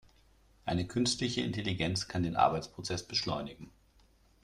Eine künstliche Intelligenz kann den Arbeitsprozess beschleunigen.